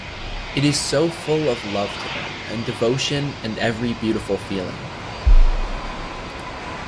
It is so full of love to them and devotion and every beautiful feeling.